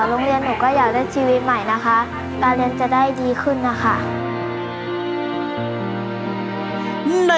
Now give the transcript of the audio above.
โรงเรียนหนูก็อยากได้ชีวิตใหม่นะคะการเรียนจะได้ดีขึ้นนะคะ